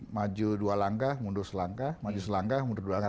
maju dua langkah mundur selangkah maju selangkah mundur dua langkah